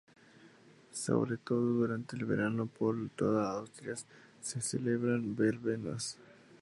Sobre todo durante el verano, por toda Asturias se celebran verbenas.